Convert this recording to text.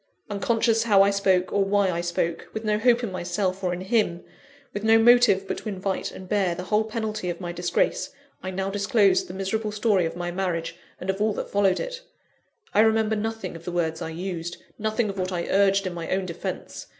Unconscious how I spoke, or why I spoke; with no hope in myself, or in him; with no motive but to invite and bear the whole penalty of my disgrace, I now disclosed the miserable story of my marriage, and of all that followed it. I remember nothing of the words I used nothing of what I urged in my own defence.